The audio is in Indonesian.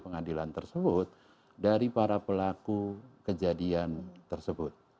pengadilan tersebut dari para pelaku kejadian tersebut